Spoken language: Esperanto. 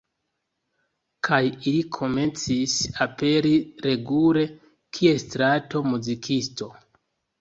Kaj ili komencis aperi regule kiel strato muzikisto.